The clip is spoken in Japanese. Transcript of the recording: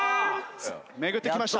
巡ってきました。